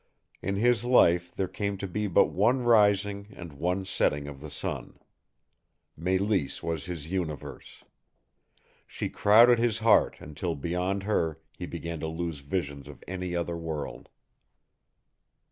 In his life there came to be but one rising and one setting of the sun. Mélisse was his universe. She crowded his heart until beyond her he began to lose visions of any other world.